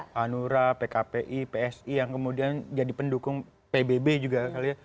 hanura pkpi psi yang kemudian jadi pendukung pbb juga kali ya